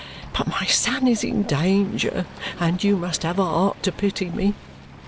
But my son is in danger, and you must have a heart to pity me.